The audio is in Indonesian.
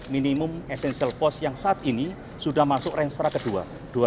minimum essential post yang saat ini sudah masuk rangserah kedua